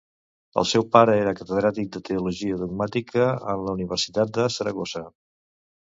El seu pare era catedràtic de teologia dogmàtica en la Universitat de Saragossa.